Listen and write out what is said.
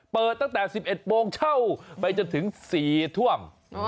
เปิดตั้งแต่๑๑โมงเช่าไปจนถึง๔ทุ่ม